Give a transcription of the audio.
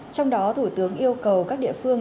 trong đó thủ tướng yêu cầu các địa phương